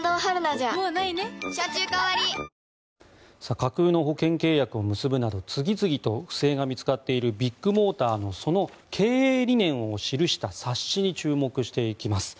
架空の保険契約を結ぶなど次々と不正が見つかっているビッグモーターのその経営理念を記した冊子に注目していきます。